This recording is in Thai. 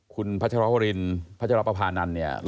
คุณพระเจ้าระวรินพระเจ้าระประพานันตร์